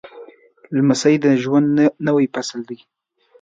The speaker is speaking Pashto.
لمسی د ژوند نوی فصل دی.